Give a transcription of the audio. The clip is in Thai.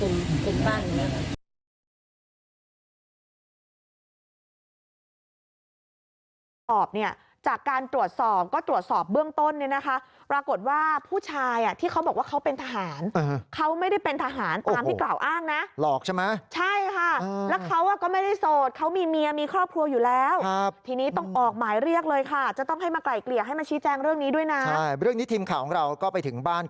แม่ญาติตามพูดกับหนูเนี่ยนะคุณบ้านนี้นะครับ